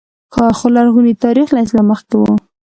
خو لرغونی تاریخ له اسلام مخکې و